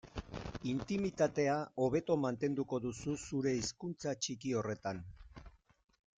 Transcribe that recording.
Intimitatea hobeto mantenduko duzu zure hizkuntza txiki horretan.